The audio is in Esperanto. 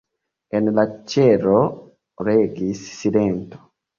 En la ĉelo regis silento.